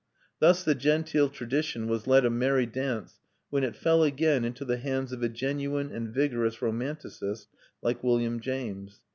Thus the genteel tradition was led a merry dance when it fell again into the hands of a genuine and vigorous romanticist like William James.